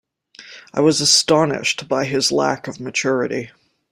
I was astonished by his lack of maturity